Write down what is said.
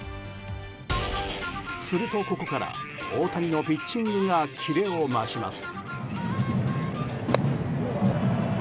すると、ここから大谷のピッチングがキレを増します。